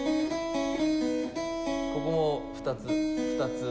ここを２つ２つ。